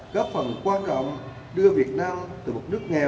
góp phần quan trọng đưa việt nam từ một nước nghèo